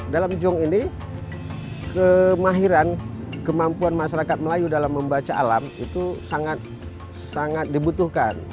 dalam jong ini kemahiran kemampuan masyarakat melayu dalam membaca alam itu sangat dibutuhkan